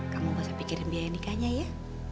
kamu gak usah pikirin biaya nikahnya ya